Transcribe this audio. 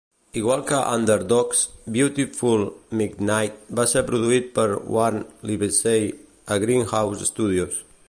Igual que "Underdogs", "Beautiful Midnight" va ser produït per Warne Livesey a Greenhouse Studios.